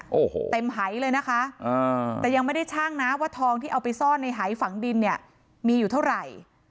โอ้โหเต็มหายเลยนะคะแต่ยังไม่ได้ชั่งนะว่าทองที่เอาไปซ่อนในหายฝังดินเนี่ยมีอยู่เท่าไหร่